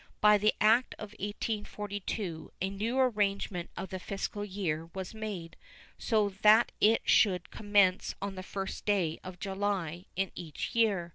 By the act of 1842 a new arrangement of the fiscal year was made, so that it should commence on the 1st day of July in each year.